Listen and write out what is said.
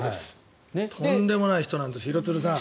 とんでもない人なんです廣津留さん。